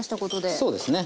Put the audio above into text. そうですね。